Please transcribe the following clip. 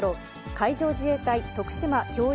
海上自衛隊徳島教育